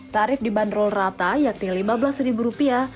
tarif dibanderol rata yakni lima belas rupiah